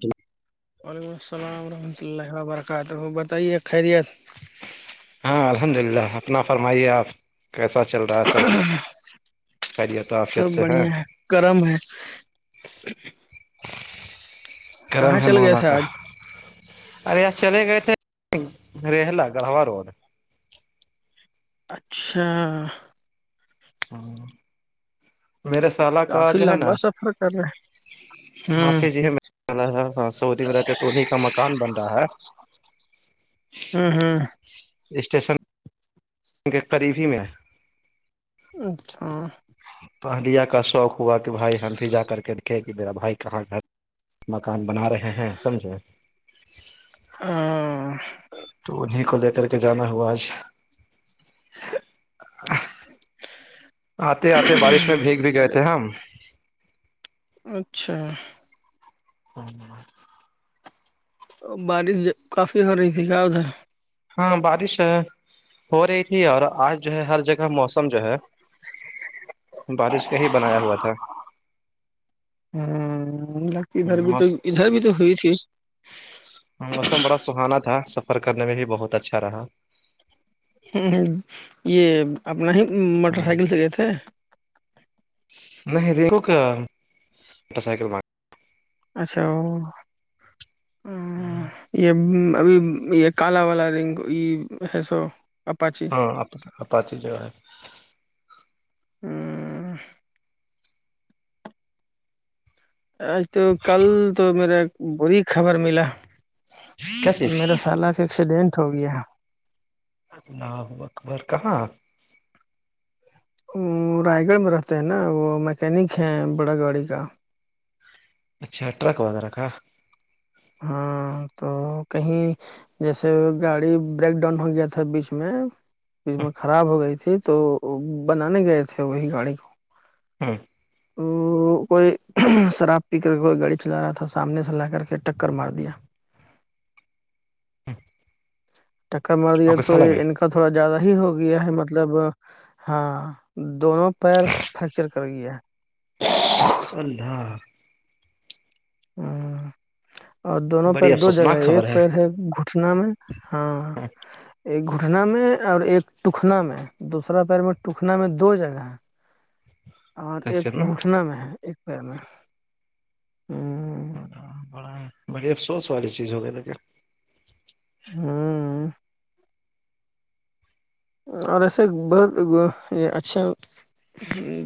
جی وعلیکم السلام ورحمۃ اللہ و برکاتہ بتائیے خیریت ہاں الحمد للہ اپنا فرمائیے آپ کیسا چل رہا ہے سب خیریت و عافیت سب سے بڑھیا ہے کررم ہے گرم کہاں ہے چل گئے محلا تھے کا آج ارے آ چلے گئے تھے ریلا گڑھوا روڈ اچھا ہاں میرے سالہ کا کافی جو ہے نا لمبا سفر کر رہے معافی ہ ہے سر ہاں سعودی میں رہتے تو انہیں کا مکان بن رہا ہے ہوں ہوں اسٹیشن کے قریب ہی میں اچھا پہلیا کا شوق ہوا کہ بھائی ہم بھی جا کر کے دیککھے کہ میرا بھائی کہاں گھر مکان بنا رہے ہیں سمجھیں تو انہیں کو لے کر کے جانا ہوا آج [unintelligible] آتے آتے بارش میں بھیگ بھی گئے ارے تھے ہم اچھا ہاں اور بارش کافی ہو رہی تھی ہے ہاں بارش ہو رہی تھی اور آج جو ہے ہر جگہ موسم جو ہے بارش کا ہی بنایا ہوا تھا ہاں لدھر بھی تو موس ادھر بھی تو ہوئی تھی موسم بڑا سہانا تھا سفر کرنے میں بھی بہت اچھا رہا ہاں یہ اپنا ہی موٹر سائیکل سے گئے تھے نہیں رے کوک موٹر سائیکل مگ اچھا او ہاں یہ ابھی یہ کالا والا رنگ یہ ہے سو اپاچ اپاچ جگہ ہے ہاں آج تو کل تو میرا بری خبر ملا کیا چیز میرا سالق ایکسیڈینٹ ہو گیا انا ہوا اکبر کہاں رائے گڑ میں رہتے ہیں نا وہ مکینک ہے بڑا گاڑی کا اچھا ٹرک وغیرہ کا ہاں تو کہیں جیسے گاڑی بریک ڈاؤن ہو گیا تھا بیچ میں اس میں خراب ہو گئی تھی تو بنانے گئے تھے وہی گاڑی کو ہاں ا کوئی شراب پی کر کے کوئی گاڑی چلا رہا تھا سامنے سے لا کر کے ٹکر مار دیا ہاں ٹکر مار دیا تو ان کا تھوڑا زیادہ ہی ہو گیا ہے مطلب ہاں دونوں پیرس فریکچر کر گیا اللہا ہاں اور دونوں بڑی پیر دو جگہ افسوسناک ہے ایک خبر پیر ہے گٹنا میں ہاں ایک گھٹنا میں اور ایک ٹکنا میں دوسرا پیر میں ٹکنا میں دو جگہ اور ایک نا گھٹنا میں ہے ایک پیر میں ہاں ہاں بڑا ہے بڑی افسوس والی چیز ہو گئی تو کیا ہوں اور ایسے بہت اچھا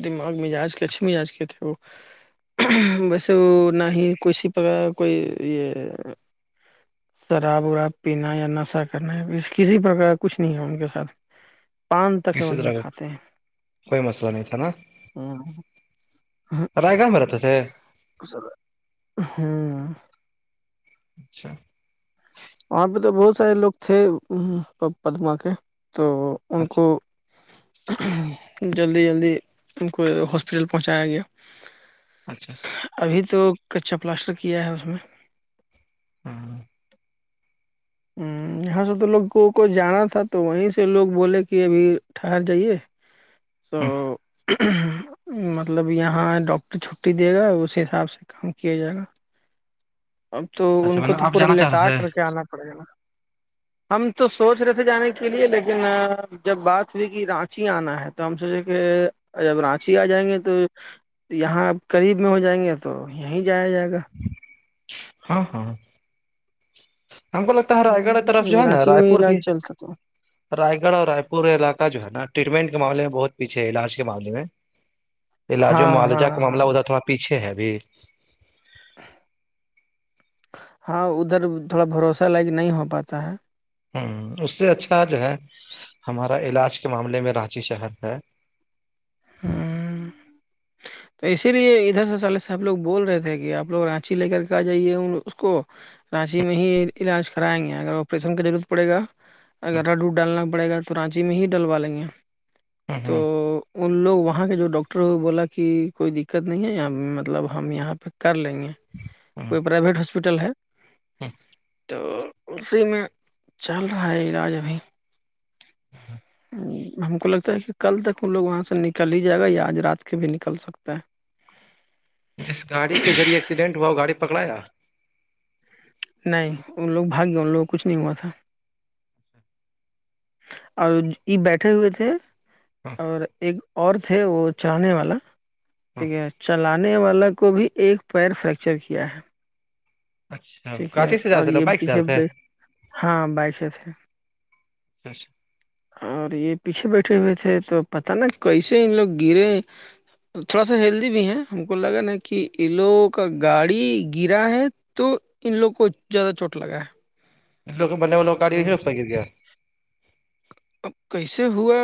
دماغ مزاج کے اچھے مزاج کے تھے وہ ویسے وہ نہ ہی کسی پرک کوئی یہ شراب وراب پینا یا نشہ کرنا ہے کسی پرکار کچھ نہیں ہے ان کے ساتھ پان تک وہ کسی نہیں طرح کا کھاتے کوئی مسئلہ نہیں تھا نا ہیں رائے گاؤ رہا تسے ہوں اچھا وہاں پہ تو بہت سارے لوگ تھے پدما کے تو ان اچھا کو جلدی جلدی ان کو ہاسپٹل پہنچایا گیا اچھا اچھا ابھی تو کچا پلاسٹر کیا ہے اس میں ہاں ہوں یہاں سے تو لوگوں کو جانا تھا تو وہیں سے لوگ بولے کہ ابھی ٹھہر جائیے [inaudible] سو [unintelligible] مطلب یہاں ڈاکٹر چھٹی دے گا اسی حساب سے کام کیا جائے گا اب تو ان اچھا میں کو نے تو آپ پورا جانا چاہ رہے لٹا تھے کر کے آنا پڑے گا نا ہم تو سوچ رہے تھے جانے کے لیے لیکن جب بات ہوئی کہ رانچی آنا ہے تو ہم سوچے کہ جب رانچی آ جائیں گے تو یہاں آپ قریب میں ہو جائیں گے تو یہیں جایا جائے گا ہاں ہاں ہم کو لگتا ہے رائے گڑھ طرف جو ہے نا کراچی رائے میں پور بھی علاج چلتا تو ہے رائے گڑھ اور رائے پور علاقہ جو ہے نا ٹریٹمنٹ کے معامے میں بہت پیچھے ہے علاج کے معاملے میں علاج و ہاں ہاں معالجہ کا معاملہ ہاں ادھر تھوڑا پیچھے ہے ابھی ہاں ادھر تھوڑا بھروسہ لائق نہیں ہو پاتا ہے ہوں اس سے اچھا جو ہے ہمارا علاج کے معاملے میں رانچی شہر ہے ہوں تو اسی لیے ادھر سے سالد سے آب لوگ بول رہے تھے کہ آپ لوگ رانچی لے کر کے آ جائیے اس کو رانچی میں ہی علاج کرائیں گے اگر آپریشن کی ور پڑے گا اگر رڈو ڈالنا پڑے گا تو رانچی میں ہی ڈلوا لیں گے ہ ہ تو ان لوگ وہاں کے جو ڈاکٹر ہوئے بولا کہ کی کوئی دقت نہیں ہے یہ مطلب ہم یہاں پہ کر لیں گے کوئی پرائیویٹ ہاسپٹل ہے ہاں تو اسی میں چل رہا ہے علاج ابھی ہاں ہم کو لگتا ہے کہ کل تک ہم لوگ وہاں سے نکل ہی جائے گا یا آج رات کے بھیک نکل سکتا ہے جس گاڑی کے ذریعے ایککسیڈنٹ ہوا وہ گاڑی پکڑایا نہیں ان لوگ بھاگ گئے ان لوگوں کچھ نہیں ہوا تھا اور یہ بیٹھے ہوئے تھے ہاں اور ایک اور تھے وہ چڑھے والا ہاں ٹھیک ہے چلان نے والا کو بھی ایک پیر فریکچر کیا ہے اچھا ٹھیک ہے کاچی سے جا رہے اور تھے، یہ بائک سے جا رہے پیچھے ہاں بائشس ہے اچھا اور یہ پیچھے بیٹھے ہوئے تھے تو پت نا کیسے ان لوگ گرے تھوڑا سا ہیلدی بھی ہے ہم کو لگا نا کہ ان لوگوں کا گاڑی گرا ہے تو ان لوگوں کو زیادہ چوٹ لگا ہے لوگ بننے وال لگ کااریی ہیوپ اب گے گیا اب کیسے ہوا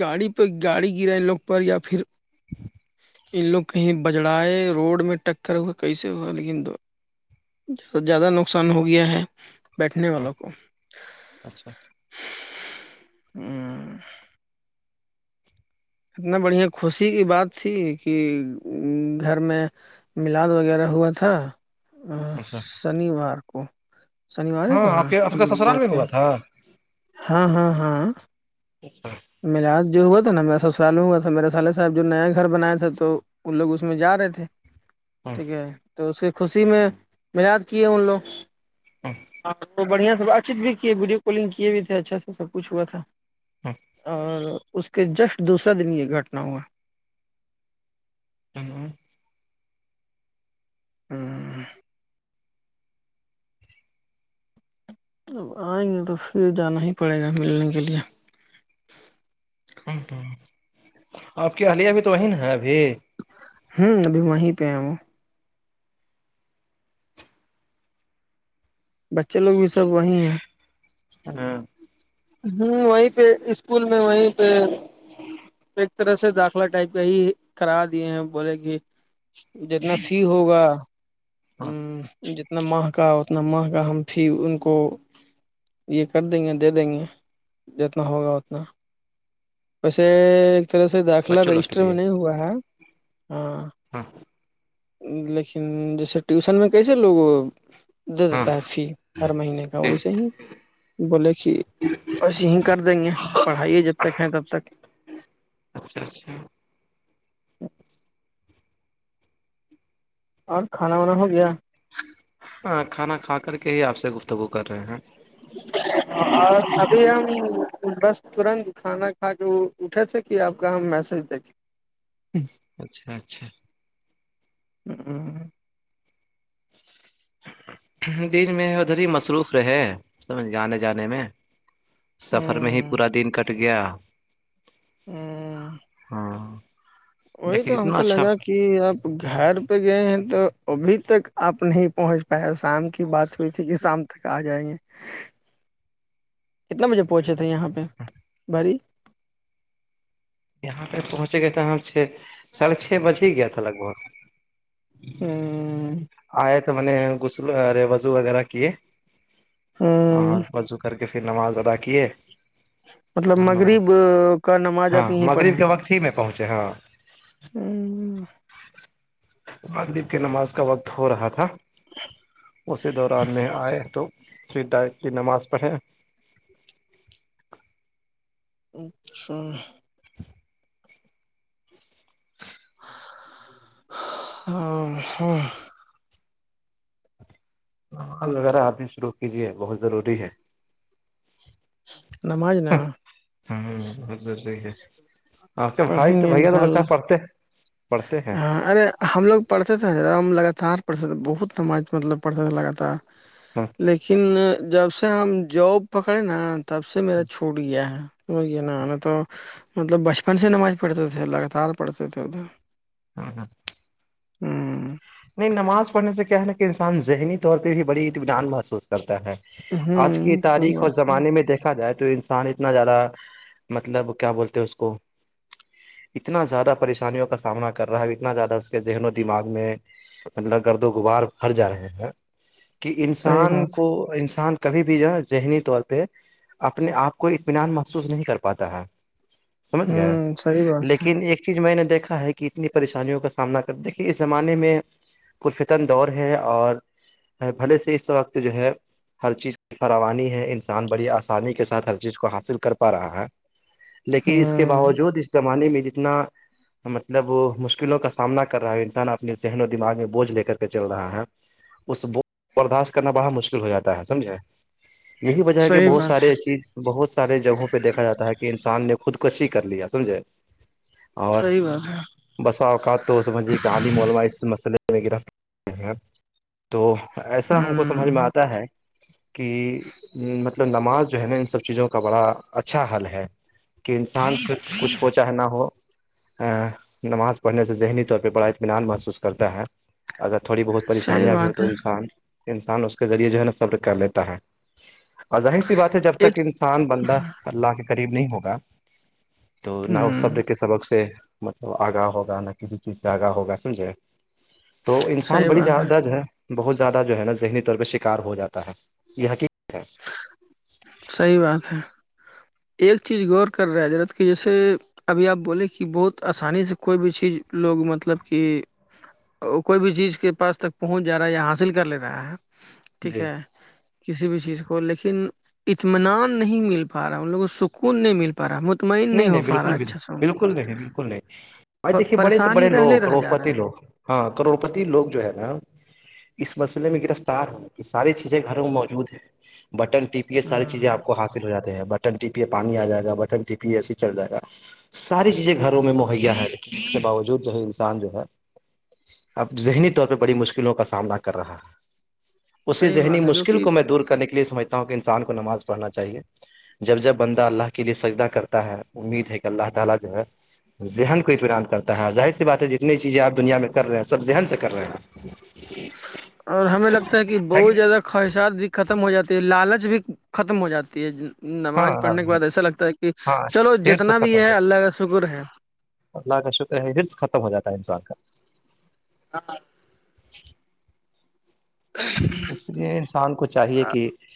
گاڑی پہ گاڑی گرے لوگ پر یا پھر [inaudible] ان لوگ کہیں بجڑائے روڈ میں ٹکر ہوئے کیسے ہوا لیکن دو زیادہ نقصان ہو گیا ہے بیٹھنے والوں کو اچھا [inaudible] اتنا بڑھیا خوشی کی بات تھی کہ گھر میں ملاد وغیرہ ہوا تھا اچھا شنیوار کو شنیوار کو ہاں نا آپ کے آپ ہم کا لوگ سسرال گئے میں تھے ہوا تھا ہاں ہاں ہاں اچھا ملاد جو ہوا تھا نا میرا سسرال ہ ہوا تھا میرا سالے صاحب جو نیا گھر بنایا تھ تھا تو وہ لوگ اس میں جا رہے تھے ٹھیک ہے تو اس کی خوشی میں مناد کی ہے ان لوگ [inaudible] ہاں تو بڑھیا سے بات چیت بھی کی ویڈیو کالنگ کیے بھی تھے اچھا سے سب کچھ ہوا تھا [inaudible] اور اس کے جسٹ دوسرا دن یہ گھٹنا ہوا [inaudible] ہوں اب آئیں گے تو پھر جانا ہی پڑے گا ملنے کے لیے ہاں آپ کی حلیہ بھی تو وہی ن ہے ابھی ہوں ابھی وہیں پہ ہیں وہ بچے لوگ بھی سب وہیں ہیں [inaudible] ہوں وہیں پہ اسکول میں وہیں پہ ایک طرح سے داخلہ ٹائپ کا ہی کرا دیے ہیں بولے کہ جتنا ہاں جتنا مہکا اتنا مہکا ہم پھر ان کو یہ کر دیں گے دے دیں گے جتنا ہوگا اتنا ویسے ایک طرح سے داخلہ بچوں لوگ کے رجسٹر میں لیے نہیں ہوا ہے ہاں لیکن جیسے ٹیوشن میں کیسے لوگوں دے ہاں دیتا ہے فی ہر مہینے کا جی ویسے ہی بولے کہ ایسے یہ کر دیں گے پڑھائی جب تک ہیں تب تک اچھا اچھا اور کھانا وانا ہو گیا کھانا کھا کر کے ہی آپ سے گفتگو کر رہے ہیں اور ابھی ہم بس ترنت کھانا کھا کے اٹھے تھے کہ آپ کا ہم میسج دیکھیں اچھا اچھا ہوں ہوں دن میں ادھر ہی مصروف رہے سمجھ آنے جانے میں سفر میں ہی ہ پورا دن کٹ گیا ہاں وہی لیکن تو ہم اتنا کو اچھا لگا کہ آپ گھر پہ گئے ہیں تو ابھی تک آپ نہیں پہنچ پاائے شام کی بات شام تک آ جائیں گے [inaudible] کتنے بجے پہنچے تھے یہاں پہ بھاری یہاں پہ پہنچ گئے تھے چھ ساھے چھ بج ہی گیا تھا لگ بگ ہاں آیا تو میں نے غسل ارے وضو وغیرہ کیے اور وضو کر کے کہ پھر نماز ادا کیے مطلب مغرب کا نماز ہاں آپ یہیں مغرب کے وقت ہی میں پہنچے ہاں ہوں مغرب کی نماز کا وقت ہو رہا تھا اسی دوران میں آئے تو پھر ڈائ کی نماز پڑھیں ا سو ہاں سال وغیرہ آپ نے شروع کیجیے بہت ضروری ہے نماز نا ہاں بی ہے آ بھائی پڑھیں تو گے بھیا تو انشاء لکا ہے اللہ پڑھتے پڑھتے ہیں ہاں ارے ہم لوگ پڑھتے تھے را ہم لگاتار پڑھتے تھے بہت سماج مطلب پڑھتے تھے لگاتار ہاں لیکن جب سے ہم جاب پکڑے نا تب سے میرا چھوٹ گیا ہے وہ یہ نا ہمیں تو مطلب بچپن سے نماز پڑھتے تھے لگاتار پڑھتے تھے ادھر ہاں ہاں ہوں نہیں نماز پڑھنے سے کیا ہے نا کہ انسان ذہنی طور پہ بھی بڑی اطمینان محسوس کرتا ہے آج کی ہ تو تاریخ اور بس زمانے میں دیکھا جائے تو تو انسان اتنا زیادہ مطلب کیا بولتے ہیں اس کو اتنا زیادہ پریشانیوں کا سامنا کر رہا ہے اتنا زیادہ اس کے ذہن و دماغ میں مط گرد و غوار بھر جا رہے ہیں کہ صحیح انسان بات کو انسان کبھی بھی جو ہے نا ذہنی طور پہ اپنے آپ کو اطمینان محسوس نہیں کر پاتا ہے سمجھ گیا ہوں صحیح بات ہے لیکن ایک چیز میں نے دیکھا ہے کہ اتنی پریشانیوں کا سامنا کر د کہ اس زمانے میں کوئی فتن دور ہے اور بھلے سے اس وقت جو ہے ہر چیز کی فراوانی ہے انسان بڑی آسانی کے ساتھ ہر چیز کو حاصل کر پا رہا ہے لیکن اس کے ہوں باوجود اس زمانے میں جس اتنا مطلب مشکلوں کا سامنا کر رہا ہے انسان اپنے نوں دماغ میں بوجھ لے کر کے چل رہا ہے اس بول کو برداشت کرنا بڑا مشکل ہو جاتا ہے سمجھے یہی وجہ ہے کہ صحیح بہت بات ہے سارے چیز بہت سارے جگہوں پہ دیکھا جاتا ہے کہ انسان نے خود کشی کر لیا سمجھے اور صحیح بات ہے بسا اوقات تو سمجھھیے کہ عالم علما اس مسئلے وہ تو ایسا ہم کو سمجھ میں ہوں آتا ہے کہ مطلب نماز جو ہے نا ان سب چیزوں کا بڑا اچھا حل ہے کہ انسان سے کچھ ہو چاہ نہ ہو نماز پڑھنے سے ذہنی طور پہ بڑا اطمینان محسوس کرتا ہے اگر تھوڑی بہت صحیح پریشانیاں بھی ہو بات تو ہے انسان انسان اس کے ذریعے جو ہے نا صبر کر لیتا ہے ظاہر سی بات ہے جب تک ایک انسان بندہ اللہ کے قریب نہیں ہوگا تو نہ اس ہوں صبر کے سبق سے مطلب آگاہ ہوگا نہ کسی چیز سے آگاہ ہوگا سمجھے تو انسان صحیح بڑی بات جداد ہے بہت زیادہ جو ہے نا ذہنی طور پہ شکار ہو جاتا ہے یہ حقیق ہے صحی بات ہے ایک چیز غور کر رہا حضرت کہ جیسے ابھی آپ بولے کہ بہت آسانی سے کوئی بھی چیز لوگ مطلب کہ کوئی بھی چیز کے پاس تک پہنچ جا رہا ہے یہیا حاصل کر لے رہا ہے ٹھیک جی ہے کسی بھی چیز لیکن اطمینان نہیں مل پا رہا ان لوگوں کو سکون نہیں مل پا رہا مطمئن نہیں ہو نہیں پا رہا بالکل ب اچھا سا بالکل نہیں بالکل نہیں بائی دیکھیے بڑے سے بڑے پریشانی رہ لے لوگ رہ جا رہا روپر لوگ ہاں کروڑپتی لوگ جو ہے نا اس مسئلے میں گرفتار ہے کہ ساری چیزیں گھروں میں موجود ہیں بٹن ٹیپی ہے ساری چیزیں ہ آپ کو حاصل ہو جاتے ہے بٹن ٹیپیے پانی آ جائے گا بٹن ڈ پی ای س چل جائے گا ساری چیزیں گھروں میں مہیا ہے لیکن اس کے باوجود جو ہے انسان جو ہے اب ذہنی طور پہ بڑی مشکلوں کا سامنا کر رہا ہے اسی صحیح ذہنی بات ہے جو مشکل کہ کو میں دور کرنے کے لی سمجھتا ہو کہ انسان کو نماز پڑنا چاہیے جب جب بندہ اللہ کے لیے سجدہ کے کرتا ہے امید ہے کہ اللہ تعالی جو ہے ذہن کو اطمینان کرتا ہے ظاہر سی بات ہے جتنی چیزیں آپ دنیا میں کر رہے ہیں سب ذہن سے کر رہے ہیں اور ہمیں لگتا ہے کہ بہت زیادہ خواہشات بھی ختم ہو جاتی ہے لالچ بھی ختم ہو جاتی ہے نماز پڑھنے کے ہاں بعد ایسا لگتا ہے کہ ہاں چلو ڈھیر سے جتنا بھی ختم ہو جائے ہے اللہ کا شکر ہے اللہ کا شکر ہے فرف ختم ہو جا انسان کا ہاں اس لیے انسان کو چاہیے کہ